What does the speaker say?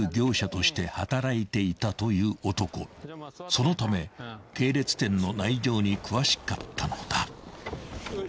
［そのため系列店の内情に詳しかったのだ］